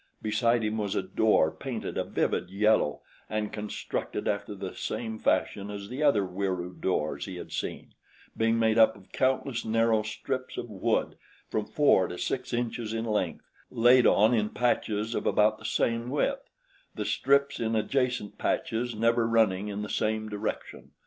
Beside him was a door painted a vivid yellow and constructed after the same fashion as the other Wieroo doors he had seen, being made up of countless narrow strips of wood from four to six inches in length laid on in patches of about the same width, the strips in adjacent patches never running in the same direction.